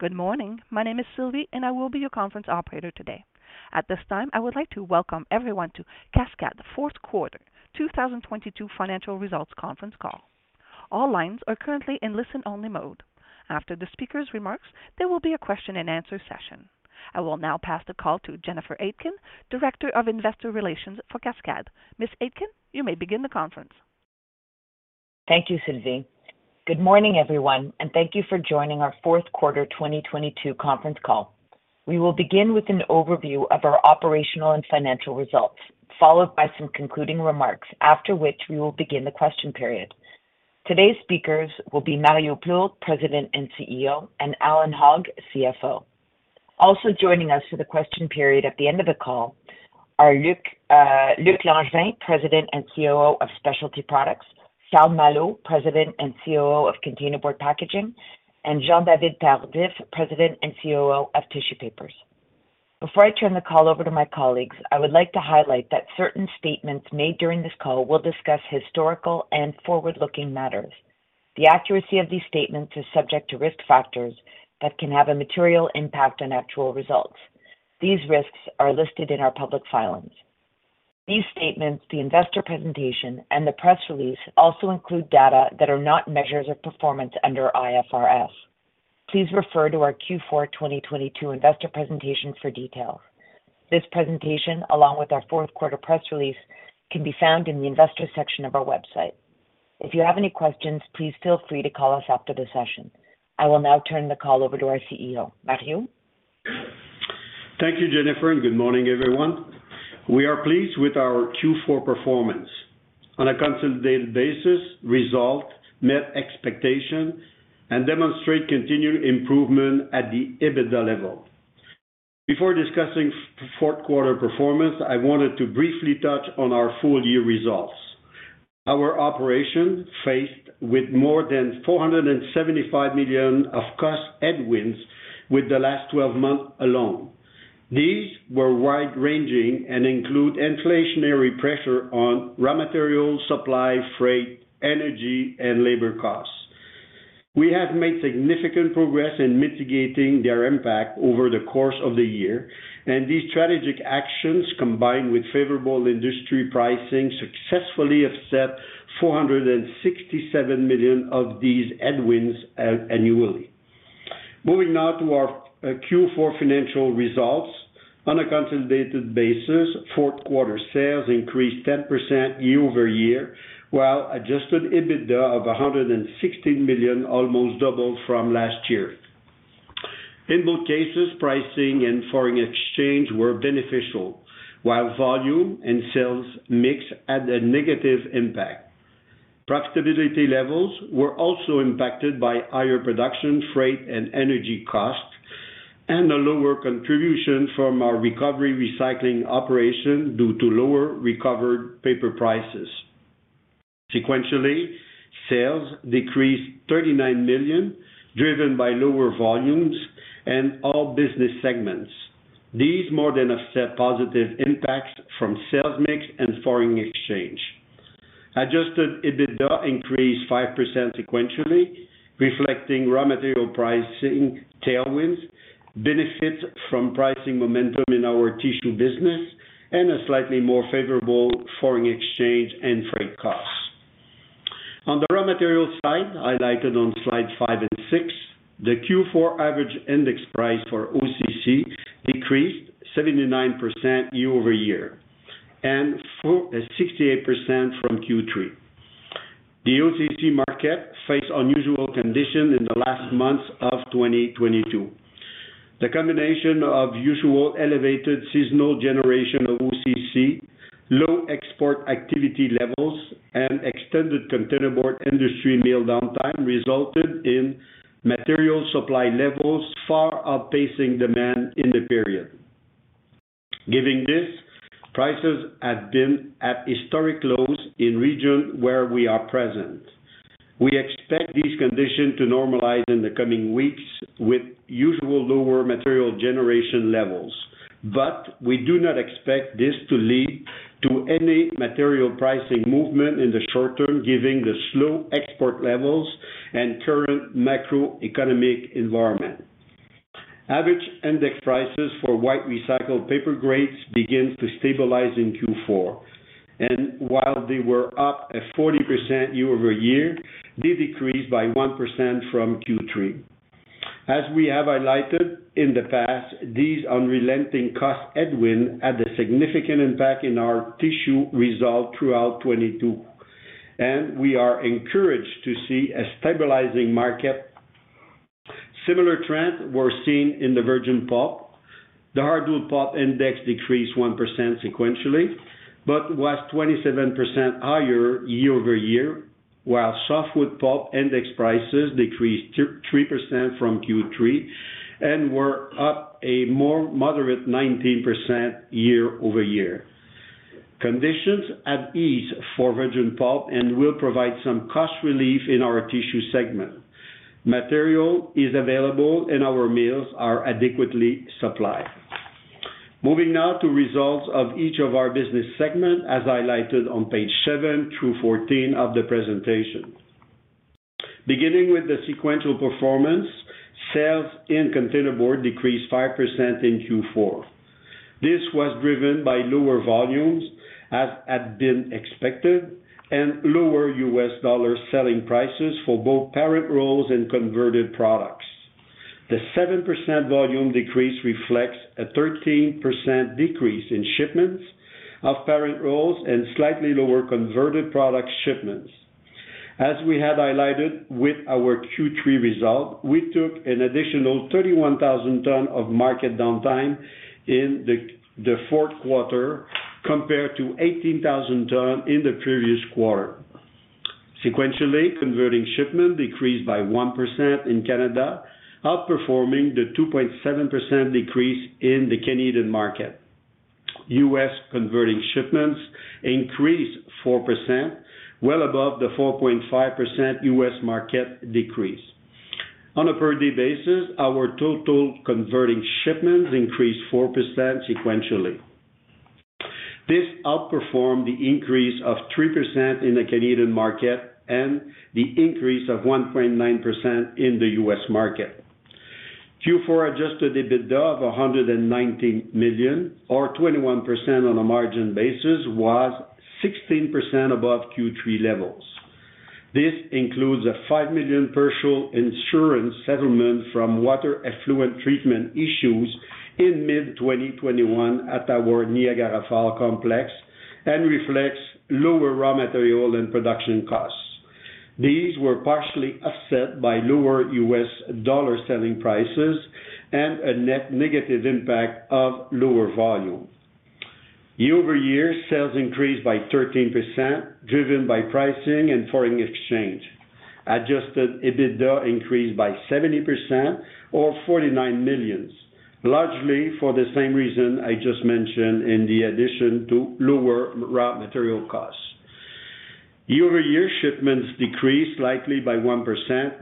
Good morning. My name is Sylvie. I will be your conference operator today. At this time, I would like to welcome everyone to Cascades Fourth Quarter 2022 financial results conference call. All lines are currently in listen-only mode. After the speaker's remarks, there will be a question-and-answer session. I will now pass the call to Jennifer Aitken, Director of Investor Relations for Cascades. Ms. Aitken, you may begin the conference. Thank you, Sylvie. Good morning, everyone, and thank you for joining our fourth quarter 2022 conference call. We will begin with an overview of our operational and financial results, followed by some concluding remarks, after which we will begin the question period. Today's speakers will be Mario Plourde, President and CEO, and Allan Hogg, CFO. Also joining us for the question period at the end of the call are Luc Langevin, President and COO of Specialty Products, Charles Malo, President and COO of Containerboard Packaging, and Jean-David Tardif, President and COO of Tissue Papers. Before I turn the call over to my colleagues, I would like to highlight that certain statements made during this call will discuss historical and forward-looking matters. The accuracy of these statements is subject to risk factors that can have a material impact on actual results. These risks are listed in our public filings. These statements, the investor presentation, and the press release also include data that are not measures of performance under IFRS. Please refer to our Q4 2022 investor presentation for details. This presentation, along with our fourth quarter press release, can be found in the Investors section of our website. If you have any questions, please feel free to call us after the session. I will now turn the call over to our CEO. Mario? Thank you, Jennifer. Good morning, everyone. We are pleased with our Q4 performance. On a consolidated basis, result met expectation and demonstrate continued improvement at the EBITDA level. Before discussing fourth quarter performance, I wanted to briefly touch on our full year results. Our operations faced with more than 475 million of cost headwinds with the last 12 months alone. These were wide-ranging and include inflationary pressure on raw materials, supply, freight, energy, and labor costs. We have made significant progress in mitigating their impact over the course of the year. These strategic actions, combined with favorable industry pricing, successfully offset 467 million of these headwinds annually. Moving now to our Q4 financial results. On a consolidated basis, fourth quarter sales increased 10% year-over-year, while adjusted EBITDA of 160 million almost doubled from last year. In both cases, pricing and foreign exchange were beneficial, while volume and sales mix had a negative impact. Profitability levels were also impacted by higher production, freight, and energy costs and a lower contribution from our recovery recycling operation due to lower recovered paper prices. Sequentially, sales decreased 39 million, driven by lower volumes in all business segments. These more than offset positive impacts from sales mix and foreign exchange. Adjusted EBITDA increased 5% sequentially, reflecting raw material pricing tailwinds, benefit from pricing momentum in our tissue business, and a slightly more favorable foreign exchange and freight costs. On the raw material side, highlighted on slide five and six, the Q4 average index price for OCC decreased 79% year-over-year and 68% from Q3. The OCC market faced unusual conditions in the last months of 2022. The combination of usual elevated seasonal generation of OCC, low export activity levels, and extended containerboard industry mill downtime resulted in material supply levels far outpacing demand in the period. Given this, prices have been at historic lows in regions where we are present. We expect these conditions to normalize in the coming weeks with usual lower material generation levels. We do not expect this to lead to any material pricing movement in the short term, giving the slow export levels and current macroeconomic environment. Average index prices for white recycled paper grades begins to stabilize in Q4, and while they were up at 40% year-over-year, they decreased by 1% from Q3. As we have highlighted in the past, these unrelenting cost headwind had a significant impact in our tissue result throughout 2022, and we are encouraged to see a stabilizing market. Similar trends were seen in the virgin pulp. The hardwood pulp index decreased 1% sequentially, but was 27% higher year-over-year, while softwood pulp index prices decreased 3% from Q3 and were up a more moderate 19% year-over-year. Conditions at ease for virgin pulp and will provide some cost relief in our tissue segment. Material is available, and our mills are adequately supplied. Moving now to results of each of our business segment, as highlighted on page seven through 14 of the presentation. Beginning with the sequential performance, sales in Containerboard decreased 5% in Q4. This was driven by lower volumes, as had been expected, and lower US dollar selling prices for both parent rolls and converted products. The 7% volume decrease reflects a 13% decrease in shipments of parent rolls and slightly lower converted product shipments. We had highlighted with our Q3 results, we took an additional 31,000 tons of market downtime in the fourth quarter compared to 18,000 tons in the previous quarter. Sequentially, converting shipment decreased by 1% in Canada, outperforming the 2.7% decrease in the Canadian market. U.S. converting shipments increased 4%, well above the 4.5% U.S. market decrease. On a per day basis, our total converting shipments increased 4% sequentially. This outperformed the increase of 3% in the Canadian market and the increase of 1.9% in the U.S. market. Q4 adjusted EBITDA of 190 million or 21% on a margin basis was 16% above Q3 levels. This includes a 5 million partial insurance settlement from water effluent treatment issues in mid-2021 at our Niagara Falls complex and reflects lower raw material and production costs. These were partially offset by lower U.S. dollar selling prices and a net negative impact of lower volume. Year-over-year sales increased by 13%, driven by pricing and foreign exchange. Adjusted EBITDA increased by 70% or 49 million, largely for the same reason I just mentioned, in the addition to lower raw material costs. Year-over-year shipments decreased slightly by 1%,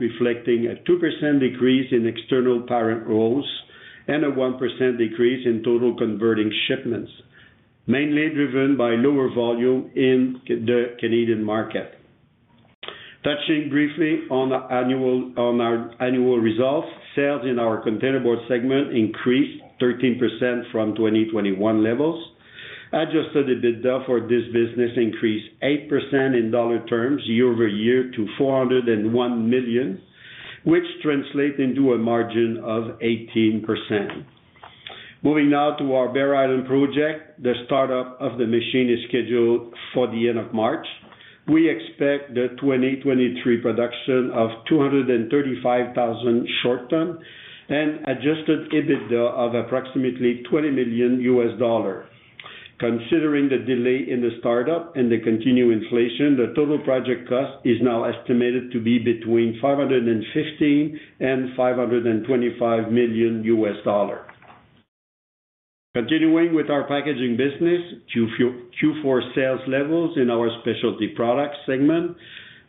reflecting a 2% decrease in external parent rolls and a 1% decrease in total converting shipments, mainly driven by lower volume in the Canadian market. Touching briefly on our annual results, sales in our Containerboard segment increased 13% from 2021 levels. Adjusted EBITDA for this business increased 8% in dollar terms year-over-year to 401 million, which translates into a margin of 18%. Moving now to our Bear Island project. The start-up of the machine is scheduled for the end of March. We expect the 2023 production of 235,000 short tons and Adjusted EBITDA of approximately $20 million. Considering the delay in the start-up and the continued inflation, the total project cost is now estimated to be between $550 million and $525 million. Continuing with our packaging business, Q4 sales levels in our Specialty Products segment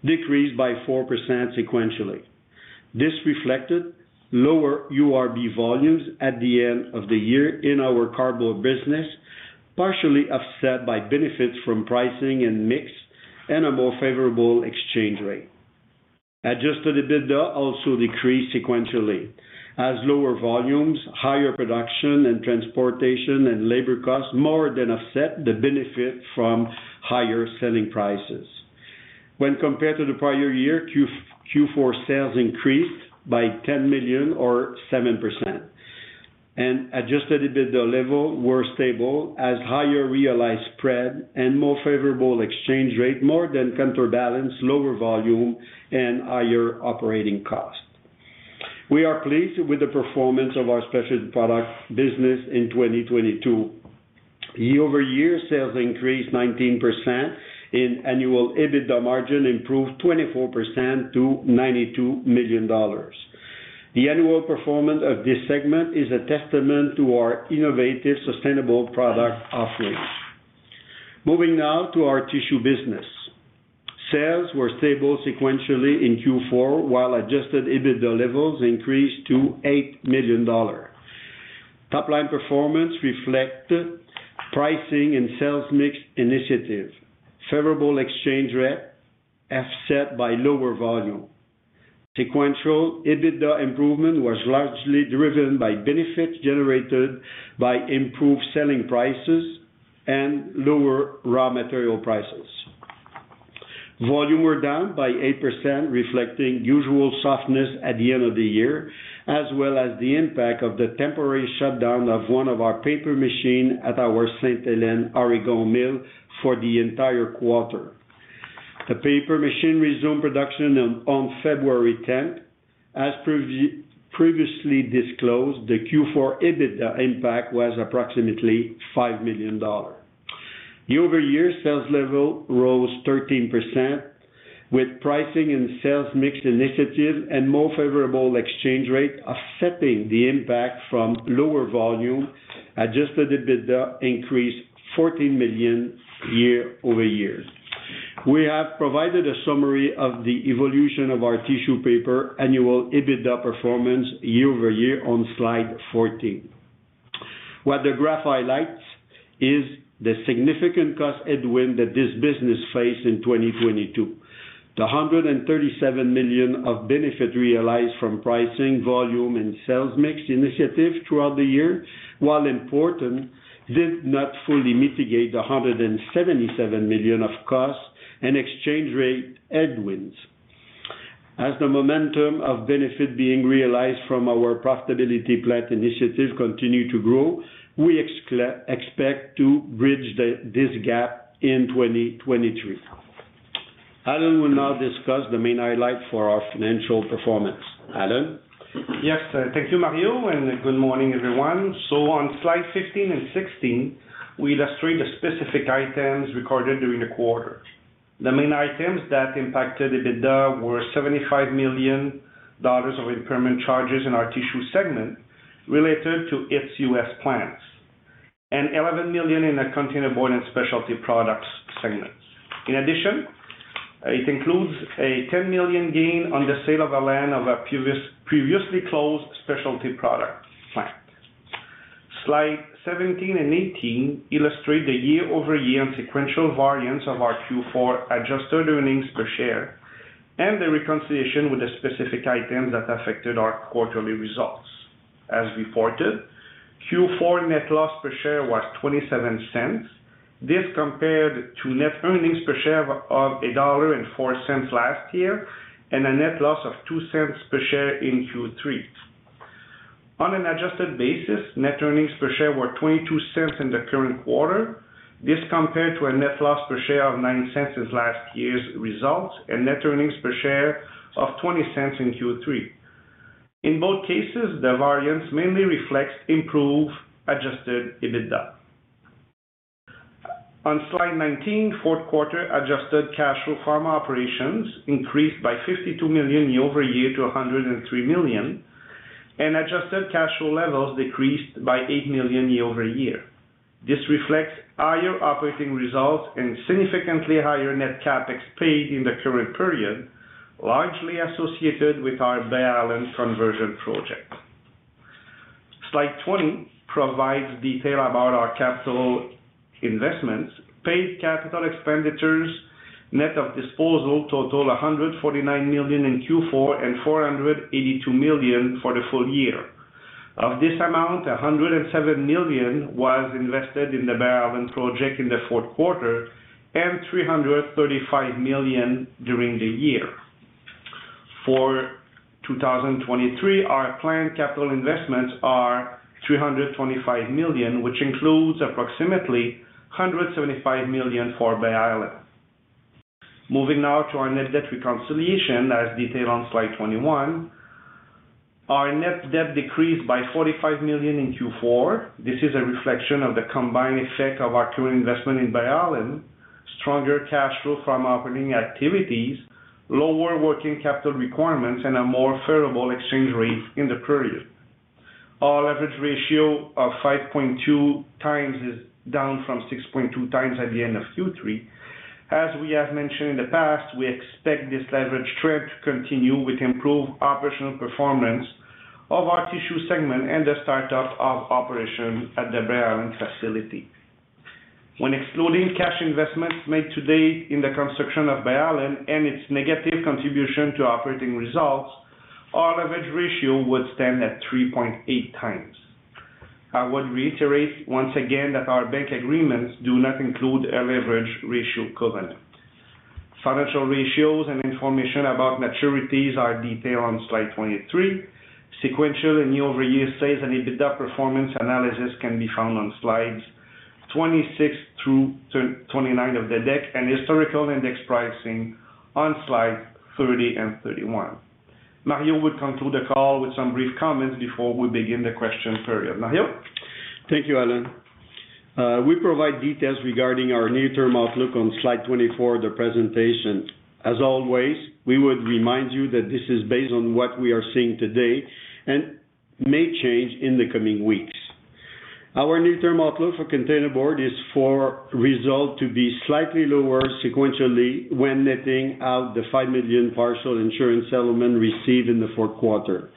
decreased by 4% sequentially. This reflected lower URB volumes at the end of the year in our cardboard business, partially offset by benefits from pricing and mix and a more favorable exchange rate. Adjusted EBITDA also decreased sequentially as lower volumes, higher production and transportation and labor costs more than offset the benefit from higher selling prices. When compared to the prior year, Q4 sales increased by 10 million or 7%, and Adjusted EBITDA level were stable as higher realized spread and more favorable exchange rate more than counterbalance lower volume and higher operating cost. We are pleased with the performance of our Specialty Products Business in 2022. Year-over-year sales increased 19% in annual EBITDA margin, improved 24% to 92 million dollars. The annual performance of this segment is a testament to our innovative, sustainable product offerings. Moving now to our Tissue Business. Sales were stable sequentially in Q4, while Adjusted EBITDA levels increased to 8 million dollars. Top-line performance reflected pricing and sales mix initiative, favorable exchange rate offset by lower volume. Sequential EBITDA improvement was largely driven by benefits generated by improved selling prices and lower raw material prices. Volume were down by 8%, reflecting usual softness at the end of the year, as well as the impact of the temporary shutdown of one of our paper machine at our St. Helens, Oregon mill for the entire quarter. The paper machine resumed production on February 10th. As previously disclosed, the Q4 EBITDA impact was approximately 5 million dollars. Year-over-year sales level rose 13% with pricing and sales mix initiative and more favorable exchange rate offsetting the impact from lower volume. Adjusted EBITDA increased 14 million year-over-year. We have provided a summary of the evolution of our Tissue Papers annual EBITDA performance year-over-year on slide 14. What the graph highlights is the significant cost headwind that this business faced in 2022. The 137 million of benefit realized from pricing, volume, and sales mix initiative throughout the year, while important, did not fully mitigate the 177 million of costs and exchange rate headwinds. As the momentum of benefit being realized from our profitability plan initiative continue to grow, we expect to bridge this gap in 2023. Allan will now discuss the main highlight for our financial performance. Allan? Yes. Thank you, Mario, good morning, everyone. On slide 15 and 16, we illustrate the specific items recorded during the quarter. The main items that impacted EBITDA were 75 million dollars of impairment charges in our Tissue Papers segment related to its U.S. plans, and 11 million in the Containerboard Packaging and Specialty Products Group segments. In addition, it includes a 10 million gain on the sale of a land of a previously closed specialty product plant. Slide 17 and 18 illustrate the year-over-year and sequential variance of our Q4 adjusted earnings per share and the reconciliation with the specific items that affected our quarterly results. As reported, Q4 net loss per share was 0.27. This compared to net earnings per share of 1.04 dollar last year and a net loss of 0.02 per share in Q3. On an adjusted basis, net earnings per share were 0.22 in the current quarter. This compared to a net loss per share of 0.09 in last year's results and net earnings per share of 0.20 in Q3. In both cases, the variance mainly reflects improved adjusted EBITDA. On slide 19, fourth quarter adjusted cash flow from operations increased by 52 million year-over-year to 103 million, and adjusted cash flow levels decreased by 8 million year-over-year. This reflects higher operating results and significantly higher net CapEx paid in the current period, largely associated with our Bear Island conversion project. Slide 20 provides detail about our capital investments. Paid capital expenditures, net of disposal total 149 million in Q4 and 482 million for the full year. Of this amount, 107 million was invested in the Bear Island project in the fourth quarter and 335 million during the year. For 2023, our planned capital investments are 325 million, which includes approximately 175 million for Bear Island. Moving now to our net debt reconciliation, as detailed on slide 21. Our net debt decreased by 45 million in Q4. This is a reflection of the combined effect of our current investment in Bear Island, stronger cash flow from operating activities, lower working capital requirements, and a more favorable exchange rate in the period. Our leverage ratio of 5.2x is down from 6.2x at the end of Q3. As we have mentioned in the past, we expect this leverage trend to continue with improved operational performance of our tissue segment and the startup of operation at the Bear Island facility. When excluding cash investments made to date in the construction of Bear Island and its negative contribution to operating results, our leverage ratio would stand at 3.8 times. I would reiterate once again that our bank agreements do not include a leverage ratio covenant. Financial ratios and information about maturities are detailed on slide 23. Sequential and year-over-year sales and EBITDA performance analysis can be found on slides 26 through 29 of the deck and historical index pricing on slide 30 and 31. Mario will conclude the call with some brief comments before we begin the question period. Mario? Thank you, Allan. We provide details regarding our near-term outlook on slide 24 of the presentation. As always, we would remind you that this is based on what we are seeing today and may change in the coming weeks. Our near-term outlook for Containerboard is for results to be slightly lower sequentially when netting out the $5 million partial insurance settlement received in Q4.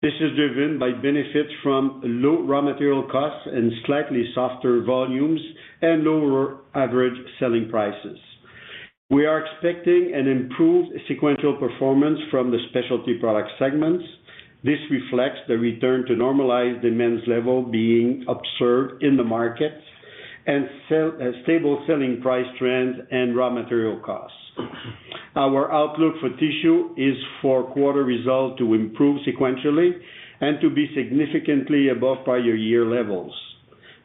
This is driven by benefits from low raw material costs and slightly softer volumes and lower average selling prices. We are expecting an improved sequential performance from the Specialty Products segments. This reflects the return to normalized demands level being observed in the market, stable selling price trends and raw material costs. Our outlook for Tissue is for quarter results to improve sequentially and to be significantly above prior year levels.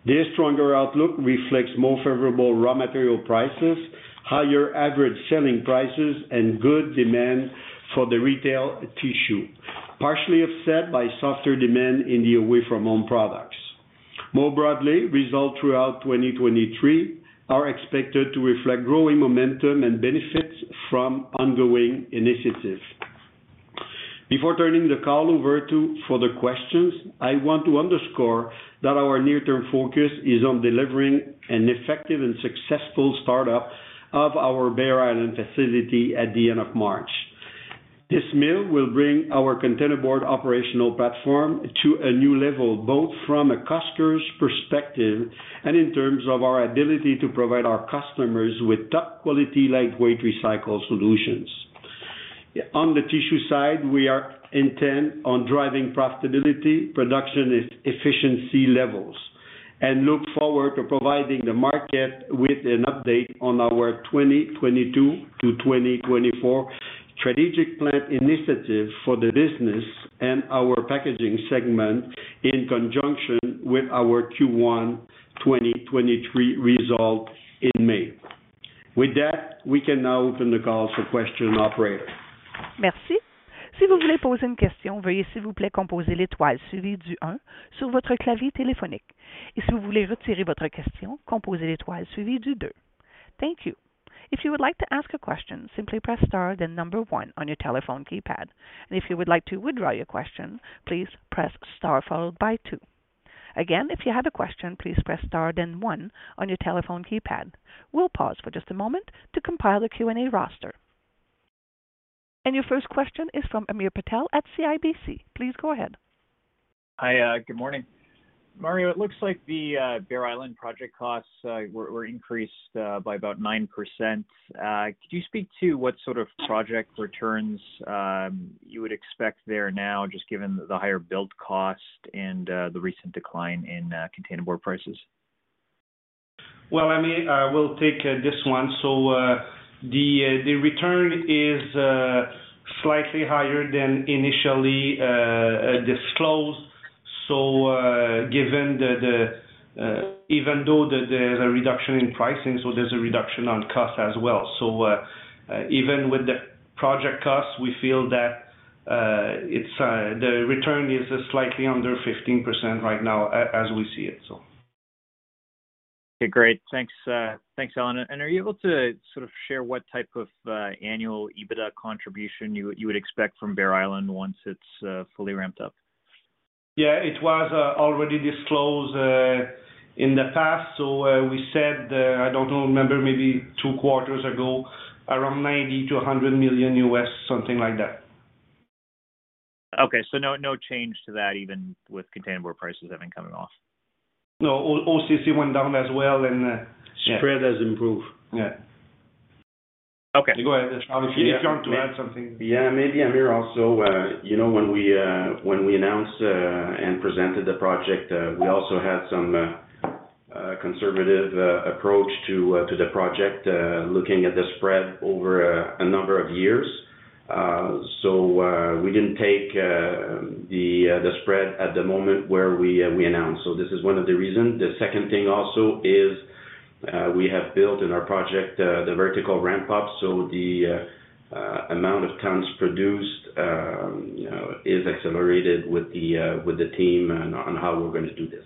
This stronger outlook reflects more favorable raw material prices, higher average selling prices, and good demand for the retail tissue, partially offset by softer demand in the away-from-home products. More broadly, results throughout 2023 are expected to reflect growing momentum and benefits from ongoing initiatives. Before turning the call over to further questions, I want to underscore that our near-term focus is on delivering an effective and successful start up of our Bear Island facility at the end of March. This mill will bring our Containerboard operational platform to a new level, both from a customer's perspective and in terms of our ability to provide our customers with top quality, lightweight recycled solutions. On the tissue side, we are intent on driving profitability, production efficiency levels and look forward to providing the market with an update on our 2022 to 2024 strategic plant initiative for the business and our packaging segment in conjunction with our Q1 2023 results in May. With that, we can now open the call for questions. Operator? Merci. Si vous voulez poser une question, veuillez s'il vous plaît composer l'étoile suivi du un sur votre clavier téléphonique. Et si vous voulez retirer votre question, composez l'étoile suivi du deux. Thank you. If you would like to ask a question, simply press star then number one on your telephone keypad. If you would like to withdraw your question, please press star followed by two. Again, if you have a question, please press star then one on your telephone keypad. We'll pause for just a moment to compile the Q&A roster. Your first question is from Hamir Patel at CIBC. Please go ahead. Hi. Good morning. Mario, it looks like the Bear Island project costs were increased by about 9%. Could you speak to what sort of project returns you would expect there now, just given the higher build cost and the recent decline in containerboard prices? Well, Amir, I will take this one. The return is slightly higher than initially disclosed. Given the even though there's a reduction in pricing, so there's a reduction on cost as well. Even with the project costs, we feel that the return is slightly under 15% right now as we see it. Okay, great. Thanks. Thanks, Allan. Are you able to sort of share what type of annual EBITDA contribution you would expect from Bear Island once it's fully ramped up? Yeah, it was already disclosed in the past. We said, I don't remember, maybe two quarters ago, around $90 million-$100 million, something like that. Okay. No change to that, even with container board prices having coming off? No. OCC went down as well and, yeah. Spread has improved. Yeah. Okay. Go ahead, Charles, if you want to add something. Yeah, maybe, Amir, also, you know, when we, when we announced and presented the project, we also had some conservative approach to the project, looking at the spread over a number of years. We didn't take the spread at the moment where we announced. This is one of the reasons. The second thing also is, we have built in our project, the vertical ramp up. The amount of tons produced, you know, is accelerated with the team on how we're going to do this.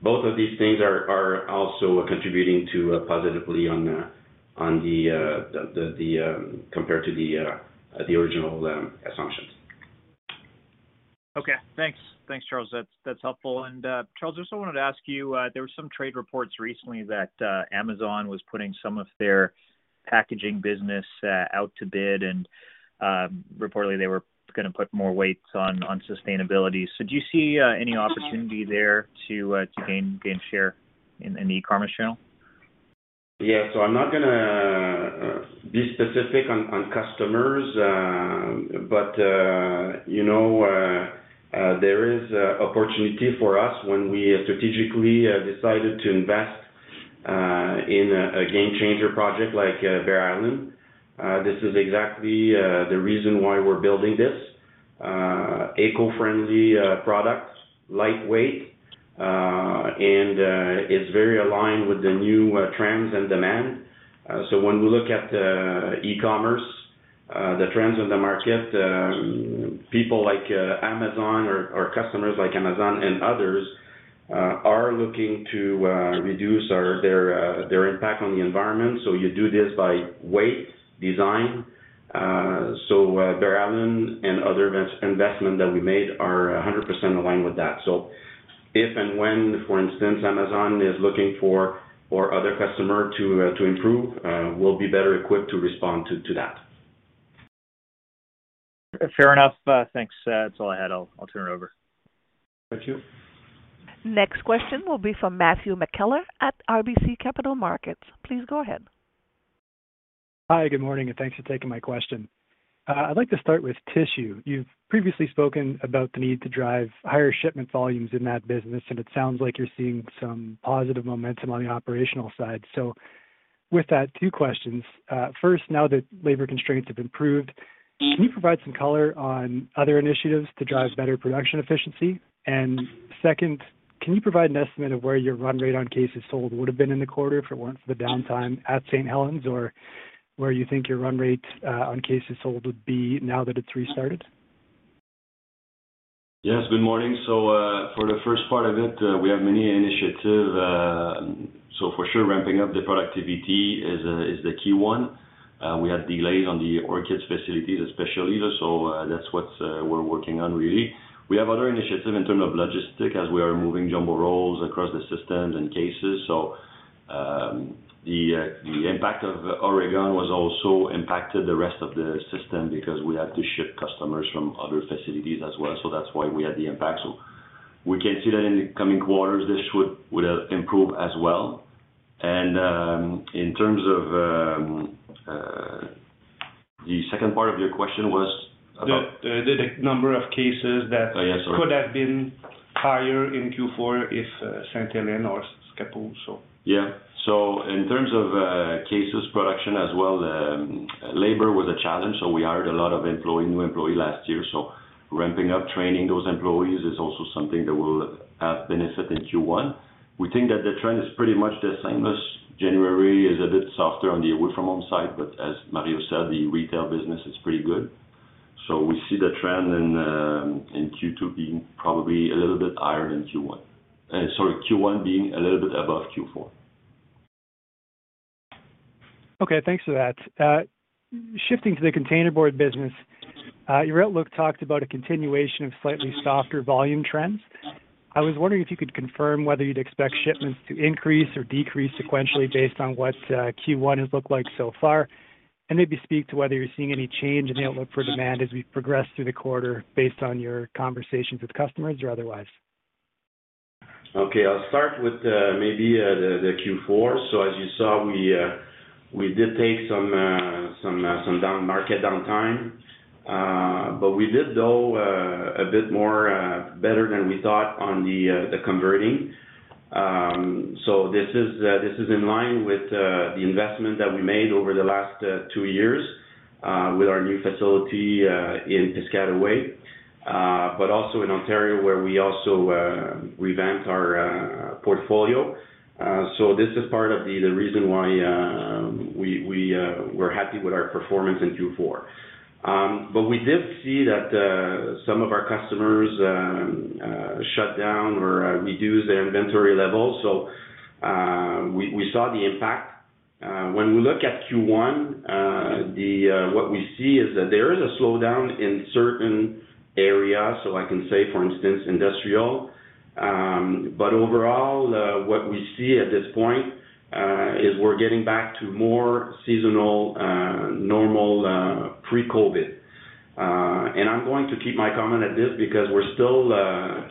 Both of these things are also contributing to positively on the compared to the original assumptions. Okay. Thanks. Thanks, Charles. That's, that's helpful. Charles, I just wanted to ask you, there were some trade reports recently that Amazon was putting some of their packaging business out to bid, and reportedly they were gonna put more weights on sustainability. Do you see any opportunity there to gain share in the e-commerce channel? I'm not gonna be specific on customers, but, you know, there is opportunity for us when we strategically decided to invest in a game changer project like Bear Island. This is exactly the reason why we're building this. Eco-friendly products, lightweight, and it's very aligned with the new trends and demand. When we look at e-commerce, the trends in the market, people like Amazon or customers like Amazon and others are looking to reduce their impact on the environment. You do this by weight, design. Bear Island and other investment that we made are 100% aligned with that. If and when, for instance, Amazon is looking for or other customer to to improve, we'll be better equipped to respond to that. Fair enough. Thanks. That's all I had. I'll turn it over. Thank you. Next question will be from Matthew McKellar at RBC Capital Markets. Please go ahead. Hi, good morning, and thanks for taking my question. I'd like to start with tissue. You've previously spoken about the need to drive higher shipment volumes in that business, and it sounds like you're seeing some positive momentum on the operational side. With that, two questions. First, now that labor constraints have improved, can you provide some color on other initiatives to drive better production efficiency? Second, can you provide an estimate of where your run rate on cases sold would have been in the quarter if it weren't for the downtime at St. Helens, or where you think your run rate on cases sold would be now that it's restarted? Yes, good morning. For the first part of it, we have many initiatives. For sure ramping up the productivity is the key one. We had delays on the Orchids facilities especially, so that's what we're working on really. We have other initiatives in terms of logistics as we are moving jumbo rolls across the systems and cases. The impact of Oregon was also impacted the rest of the system because we have to ship customers from other facilities as well. That's why we had the impact. We can see that in the coming quarters, this will improve as well. In terms of the second part of your question was about? The number of cases. Oh, yes. Sorry. Could have been higher in Q4 if, St. Helens or Scappoose, so. Yeah. In terms of Cascades production as well, labor was a challenge, so we hired a lot of employee, new employee last year. Ramping up training those employees is also something that will have benefit in Q1. We think that the trend is pretty much the same as January, is a bit softer on the work from home side, but as Mario said, the retail business is pretty good. We see the trend in Q2 being probably a little bit higher than Q1. Sorry, Q1 being a little bit above Q4. Okay. Thanks for that. Shifting to the containerboard business, your outlook talked about a continuation of slightly softer volume trends. I was wondering if you could confirm whether you'd expect shipments to increase or decrease sequentially based on what Q1 has looked like so far. Maybe speak to whether you're seeing any change in the outlook for demand as we progress through the quarter based on your conversations with customers or otherwise. Okay. I'll start with maybe the Q4. As you saw, we did take some down market downtime. We did, though, a bit more better than we thought on the converting. This is in line with the investment that we made over the last two years with our new facility in Piscataway, but also in Ontario, where we also revamped our portfolio. This is part of the reason why we're happy with our performance in Q4. We did see that some of our customers shut down or reduce their inventory levels. We saw the impact. When we look at Q1, what we see is that there is a slowdown in certain areas, so I can say, for instance, industrial. Overall, what we see at this point, is we're getting back to more seasonal, normal, pre-COVID. I'm going to keep my comment at this because we're still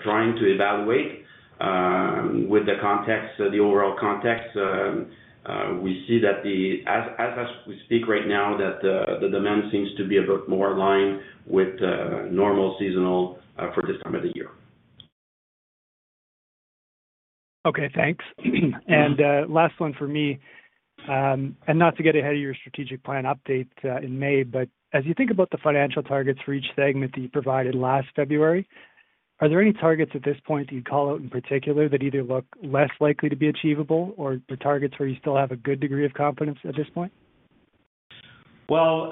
trying to evaluate with the context, the overall context. We see as we speak right now, that the demand seems to be a bit more aligned with normal seasonal for this time of the year. Okay, thanks. Last one for me. Not to get ahead of your strategic plan update in May, but as you think about the financial targets for each segment that you provided last February, are there any targets at this point that you'd call out in particular that either look less likely to be achievable or the targets where you still have a good degree of confidence at this point? Well,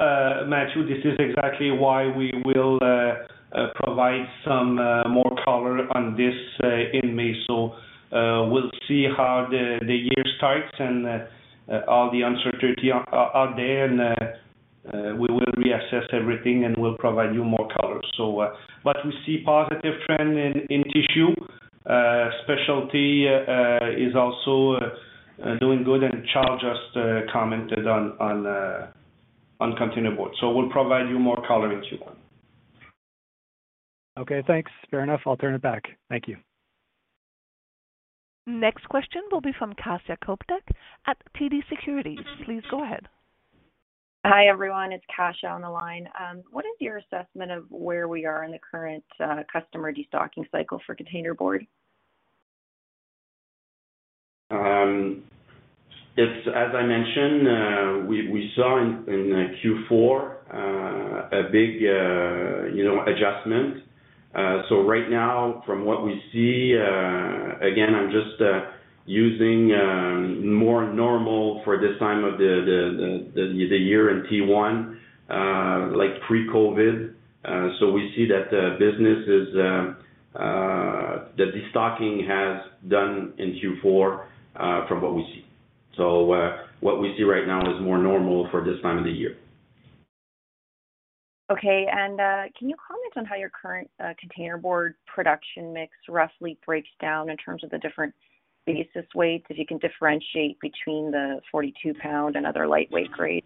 Matthew, this is exactly why we will provide some more color on this in May. We'll see how the year starts and all the uncertainty out there, and we will reassess everything and we'll provide you more color. But we see positive trend in Tissue Papers. Specialty Products Group is also doing good, and Charles Malo just commented on Containerboard Packaging. We'll provide you more color in Q1. Okay, thanks. Fair enough. I'll turn it back. Thank you. Next question will be from Kasia Kopytek at TD Securities. Please go ahead. Hi, everyone. It's Kasia on the line. What is your assessment of where we are in the current customer destocking cycle for container board? As I mentioned, we saw in Q4 a big, you know, adjustment. Right now from what we see, again, I'm just using more normal for this time of the year in Q1, like pre-COVID. We see that business is, the destocking has done in Q4, from what we see. What we see right now is more normal for this time of the year. Okay. Can you comment on how your current containerboard production mix roughly breaks down in terms of the different basis weights, if you can differentiate between the 42 pound and other lightweight grades?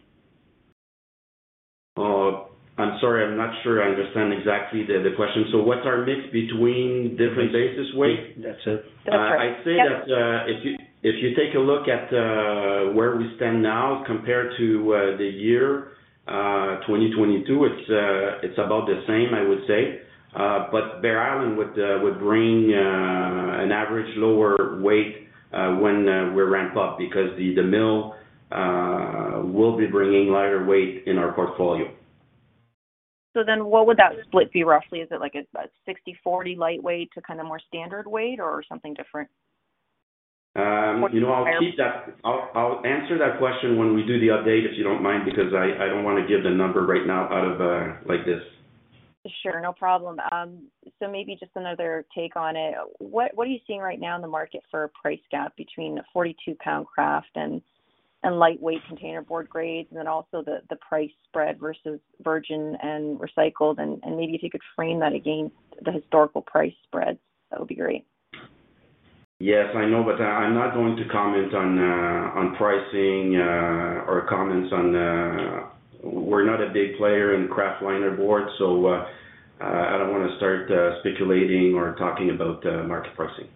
I'm sorry, I'm not sure I understand exactly the question. What's our mix between different basis weight? That's it. That's right. Yep. I'd say that, if you take a look at, where we stand now compared to, the year, 2022, it's about the same, I would say. But Bear Island would bring an average lower weight, when we ramp up because the mill will be bringing lighter weight in our portfolio. What would that split be roughly? Is it like a 60/40 lightweight to kind of more standard weight or something different? you know, I'll keep that. I'll answer that question when we do the update, if you don't mind, because I don't wanna give the number right now out of like this. Sure, no problem. maybe just another take on it. What are you seeing right now in the market for a price gap between the 42-pound kraft and lightweight containerboard grades, and then also the price spread versus virgin and recycled, and maybe if you could frame that against the historical price spreads, that would be great. Yes, I know, I'm not going to comment on pricing. We're not a big player in kraft linerboard, I don't wanna start speculating or talking about market pricing.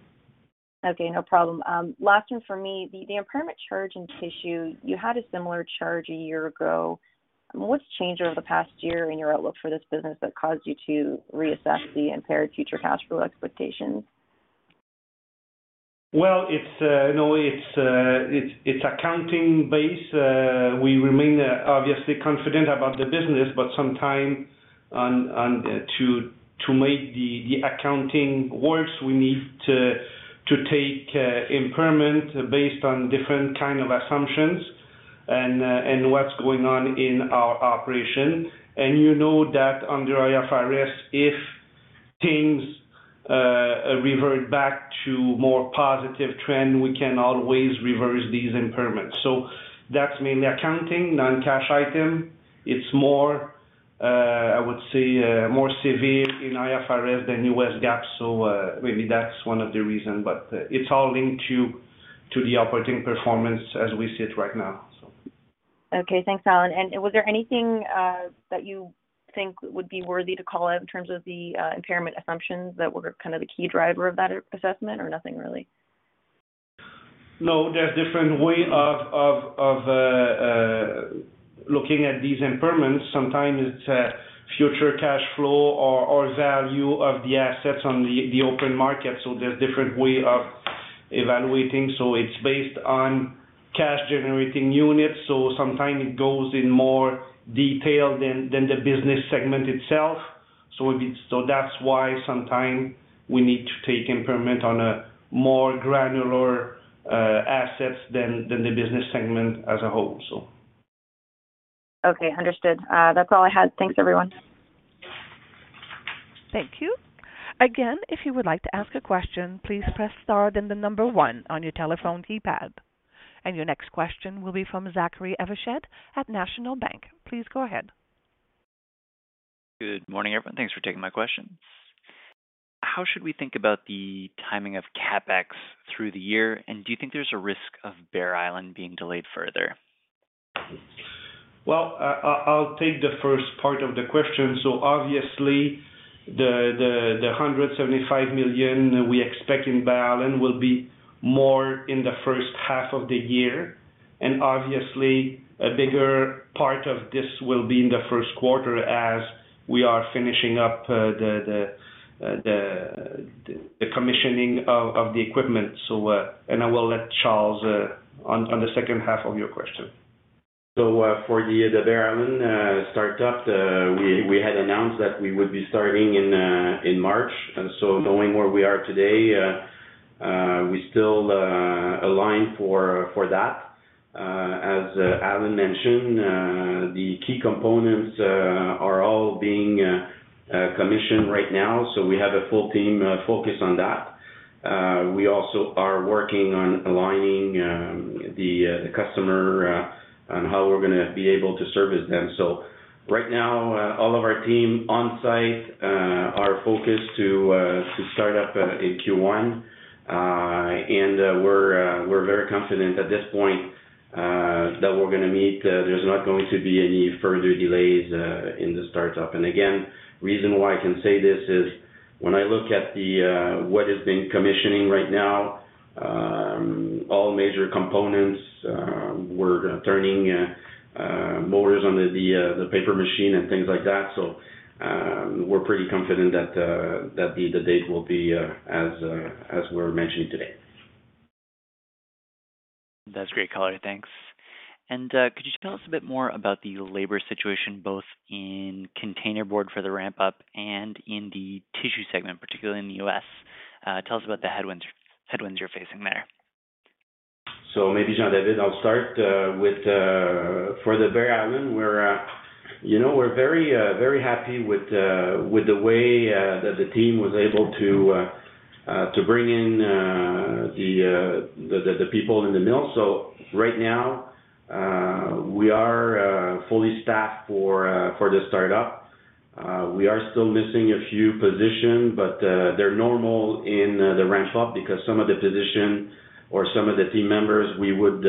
Okay, no problem. Last one for me, the impairment charge in Tissue, you had a similar charge a year ago. What's changed over the past year in your outlook for this business that caused you to reassess the impaired future cash flow expectations? Well, you know, it's accounting based. We remain obviously confident about the business, but sometime To make the accounting worse, we need to take impairment based on different kind of assumptions and what's going on in our operation. You know that under IFRS, if things revert back to more positive trend, we can always reverse these impairments. That's mainly accounting, non-cash item. It's more, I would say, more severe in IFRS than US GAAP, so maybe that's one of the reason. It's all linked to the operating performance as we see it right now. Okay. Thanks, Allan. Was there anything that you think would be worthy to call out in terms of the impairment assumptions that were kind of the key driver of that assessment or nothing really? No, there's different way of looking at these impairments. Sometimes it's future cash flow or value of the assets on the open market. There's different way of evaluating. It's based on cash generating units. Sometime it goes in more detail than the business segment itself. That's why sometime we need to take impairment on a more granular assets than the business segment as a whole. Okay, understood. That's all I had. Thanks, everyone. Thank you. Again, if you would like to ask a question, please press star then the 1 on your telephone keypad. Your next question will be from Zachary Evershed at National Bank. Please go ahead. Good morning, everyone. Thanks for taking my questions. How should we think about the timing of CapEx through the year? Do you think there's a risk of Bear Island being delayed further? I'll take the first part of the question. Obviously, the 175 million we expect in Bear Island will be more in the first half of the year. Obviously, a bigger part of this will be in the first quarter as we are finishing up the commissioning of the equipment. I will let Charles on the second half of your question. For the Bear Island start up, we had announced that we would be starting in March. Knowing where we are today, we still align for that. As Allan mentioned, the key components are all being commissioned right now, so we have a full team focused on that. We also are working on aligning the customer on how we're gonna be able to service them. Right now, all of our team on-site are focused to start up in Q1. We're very confident at this point that we're gonna meet. There's not going to be any further delays in the start-up. Again, reason why I can say this is when I look at what is being commissioning right now, all major components, we're turning motors on the paper machine and things like that. We're pretty confident that the date will be as we're mentioning today. That's great color. Thanks. Could you tell us a bit more about the labor situation, both in Containerboard for the ramp-up and in the Tissue segment, particularly in the U.S.? Tell us about the headwinds you're facing there. Maybe Jean-David, I'll start with for the Bear Island, we're, you know, very happy with the way that the team was able to bring in the people in the mill. Right now, we are fully staffed for the start-up. We are still missing a few position, but they're normal in the ramp-up because some of the position or some of the team members we would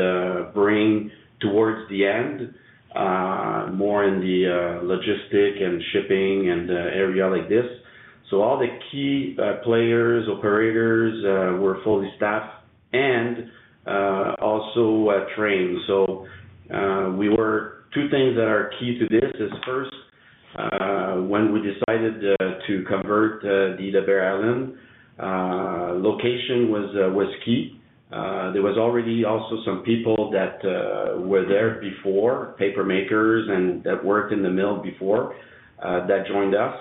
bring towards the end, more in the logistic and shipping and area like this. All the key players, operators, we're fully staffed and also trained. Two things that are key to this is first, when we decided to convert the Bear Island location was key. There was already also some people that were there before, papermakers and that worked in the mill before, that joined us.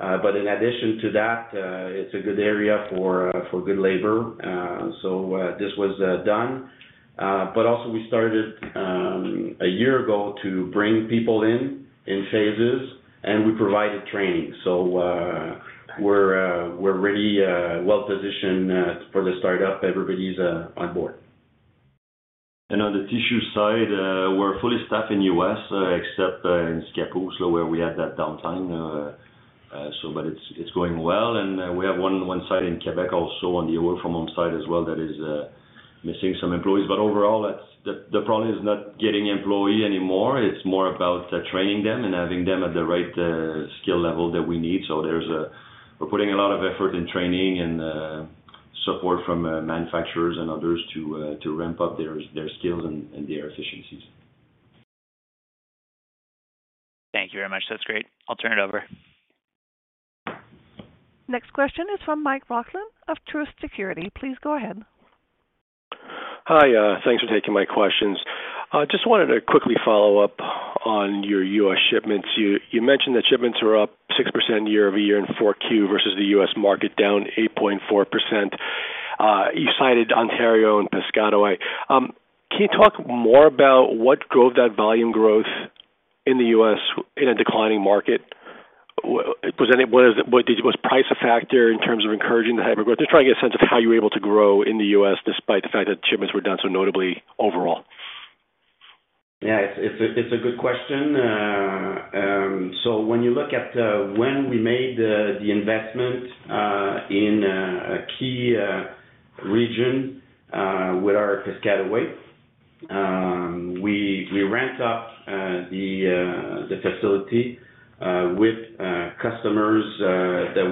In addition to that, it's a good area for good labor. This was done. Also we started a year ago to bring people in in phases, and we provided training. We're really well positioned for the startup. Everybody's on board. On the tissue side, we're fully staffed in U.S., except in Scappoose, where we had that downtime. So but it's going well. We have one site in Quebec also on the work from home site as well that is missing some employees. Overall, the problem is not getting employee anymore. It's more about training them and having them at the right skill level that we need. There's a... We're putting a lot of effort in training and support from manufacturers and others to ramp up their skills and their efficiencies. Thank you very much. That's great. I'll turn it over. Next question is from Michael Roxland of Truist Securities. Please go ahead. Hi. Thanks for taking my questions. Just wanted to quickly follow up on your U.S. shipments. You mentioned that shipments were up 6% year-over-year in Q4 versus the U.S. market down 8.4%. You cited Ontario and Piscataway. Can you talk more about what drove that volume growth in the U.S. in a declining market? Was price a factor in terms of encouraging the hyper-growth? Just trying to get a sense of how you were able to grow in the U.S. despite the fact that shipments were down so notably overall. Yeah, it's a good question. When you look at when we made the investment in a key region with our Piscataway, we ramped up the facility with customers that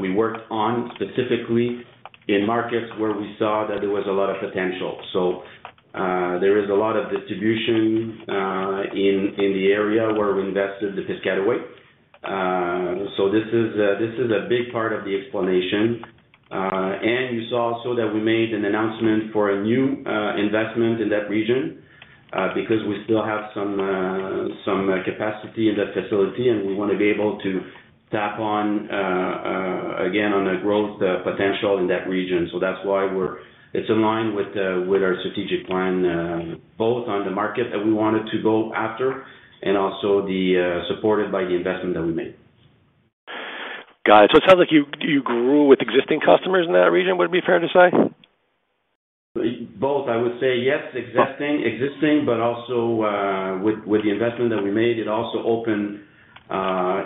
we worked on specifically in markets where we saw that there was a lot of potential. There is a lot of distribution in the area where we invested the Piscataway. This is a big part of the explanation. You saw also that we made an announcement for a new investment in that region because we still have some capacity in that facility and we wanna be able to tap on again on the growth potential in that region. That's why it's aligned with our strategic plan, both on the market that we wanted to go after and also the, supported by the investment that we made. Got it. It sounds like you grew with existing customers in that region, would it be fair to say? Both. I would say yes, existing, but also, with the investment that we made, it also opened,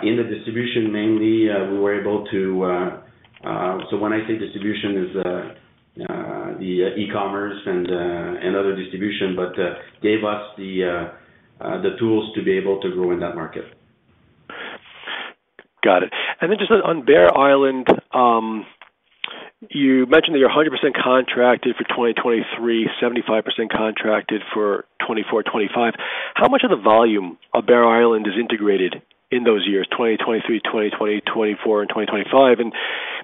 in the distribution mainly, we were able to. When I say distribution is, the e-commerce and other distribution, but gave us the tools to be able to grow in that market. Got it. Just on Bear Island, you mentioned that you're 100% contracted for 2023, 75% contracted for 2024, 2025. How much of the volume of Bear Island is integrated in those years, 2023, 2024, and 2025?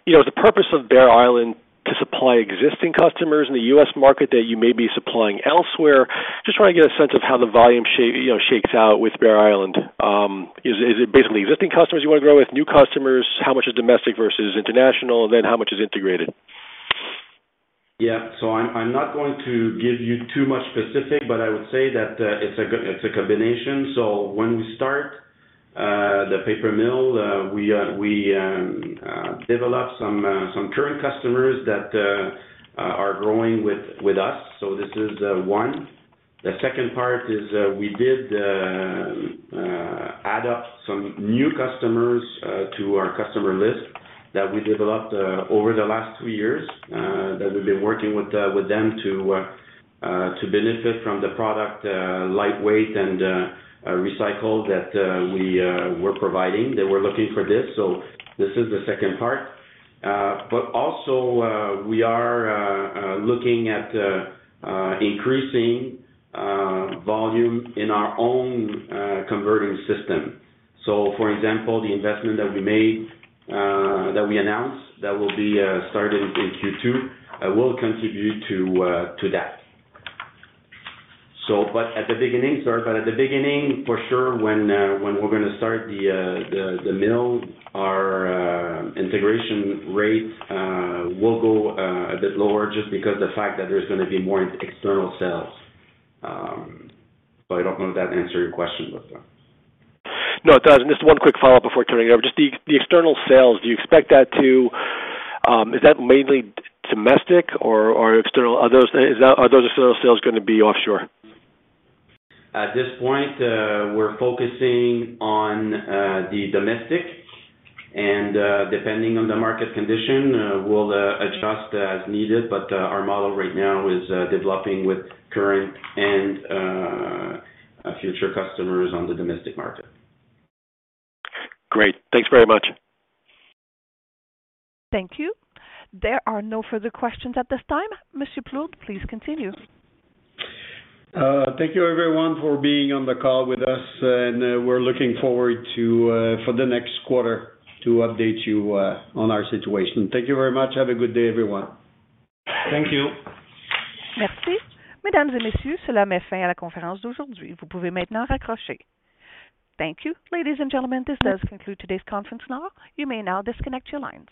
You know, is the purpose of Bear Island to supply existing customers in the U.S. market that you may be supplying elsewhere? Just trying to get a sense of how the volume, you know, shakes out with Bear Island. Is it basically existing customers you wanna grow with, new customers? How much is domestic versus international, and then how much is integrated? Yeah. I'm not going to give you too much specific, but I would say that it's a combination. When we start the paper mill, we develop some current customers that are growing with us. This is one. The second part is we did add up some new customers to our customer list that we developed over the last two years that we've been working with them to benefit from the product, lightweight and recycled that we're providing. They were looking for this. This is the second part. Also, we are looking at increasing volume in our own converting system. For example, the investment that we made, that we announced that will be started in Q2, will contribute to that. Sorry, but at the beginning, for sure, when we're gonna start the mill, our integration rates will go a bit lower just because the fact that there's gonna be more external sales. I don't know if that answered your question, but. No, it does. Just one quick follow-up before turning over. Just the external sales. Is that mainly domestic or external? Are those external sales gonna be offshore? At this point, we're focusing on the domestic and, depending on the market condition, we'll adjust as needed. Our model right now is developing with current and future customers on the domestic market. Great. Thanks very much. Thank you. There are no further questions at this time. Mr. Plourde, please continue. Thank you everyone for being on the call with us, and we're looking forward to for the next quarter to update you on our situation. Thank you very much. Have a good day, everyone. Thank you. Thank you. Ladies and gentlemen, this does conclude today's conference. You may now disconnect your lines.